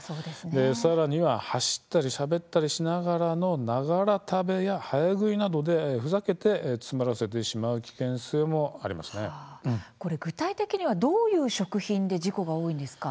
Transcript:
さらには走ったりしゃべったりしながらもながら食べや早食いなどでふざけて詰まらせてしまう具体的にはどういう食品で事故が多いんですか。